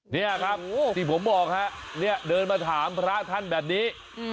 นี่ครับที่ผมบอกฮะเนี่ยเดินมาถามพระท่านแบบนี้